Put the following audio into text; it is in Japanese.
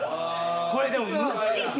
これでもむずいっすよ。